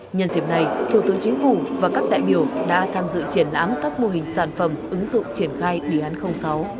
nhân dịp này thủ tướng chính phủ và các đại biểu đã tham dự triển lãm các mô hình sản phẩm ứng dụng triển khai đề án sáu